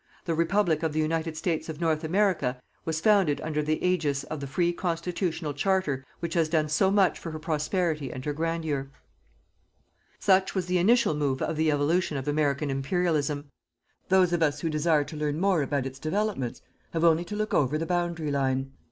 The Republic of the United States of North America was founded under the ægis of the free constitutional Charter which has done so much for her prosperity and her grandeur. Such was the initial move of the evolution of American Imperialism. Those amongst us who desire to learn more about its developments have only to look over the boundary line.